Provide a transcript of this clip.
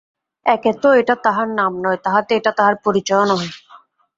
একে তো এটা তাহার নাম নয়, তাহাতে এটা তাহার পরিচয়ও নহে।